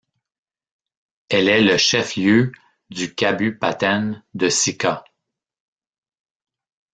Elle est le chef-lieu du kabupaten de Sikka.